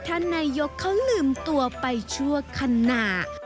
ท่านนายกเขาลืมตัวไปชั่วขณะ